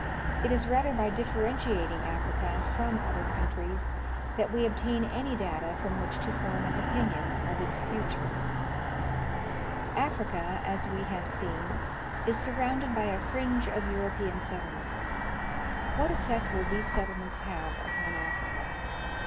It is rather by differentiating Africa from other countries that we obtain any data from which to form an opinion of its future. Africa, as we have seen, is surrounded by a fringe of Euro pean settlements. What effect will these settlements have upon Africa?